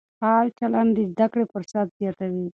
فعال چلند د زده کړې فرصت زیاتوي.